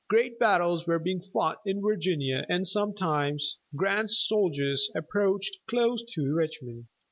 Great battles were being fought in Virginia, and sometimes Grant's soldiers approached close to Richmond.